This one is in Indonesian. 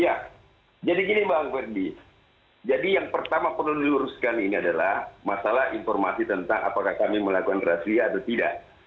ya jadi gini bang ferdi jadi yang pertama perlu diluruskan ini adalah masalah informasi tentang apakah kami melakukan razia atau tidak